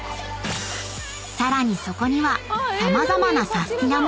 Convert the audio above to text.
［さらにそこには様々なサスティな！も］